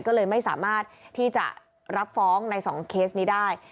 ก็เลยไม่สามารถที่จะรับฟ้องใน๒เคสนี้ได้